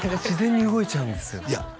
自然に動いちゃうんですよ